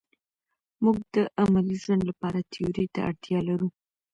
موږ د عملي ژوند لپاره تیوري ته اړتیا لرو.